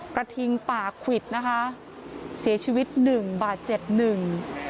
กระทิงป่าควิดนะคะเสียชีวิตหนึ่งบาดเจ็บหนึ่ง